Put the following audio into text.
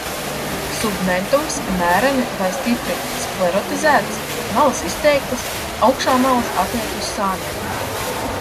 Submentums mēreni vai stipri sklerotizēts, malas izteiktas, augšā malas atiet uz sāniem.